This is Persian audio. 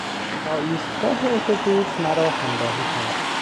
تا ایستگاه اتوبوس مرا همراهی کرد.